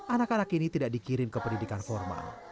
anak anak ini tidak dikirim ke pendidikan formal